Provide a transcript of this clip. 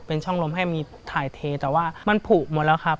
เป็นช่องลมให้มีถ่ายเทแต่ว่ามันผูกหมดแล้วครับ